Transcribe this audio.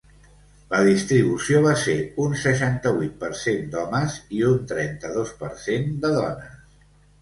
La distribució va ser un seixanta-vuit per cent d'homes i un trenta-dos per cent de dones.